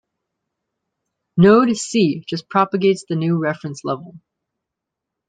Node C just propagates the new reference level.